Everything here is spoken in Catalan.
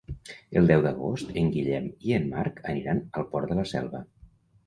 El deu d'agost en Guillem i en Marc aniran al Port de la Selva.